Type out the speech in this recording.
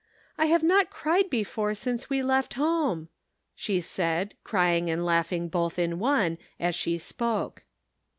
" I have not cried before since we left home," she said, crying and laughing both in one as she spoke.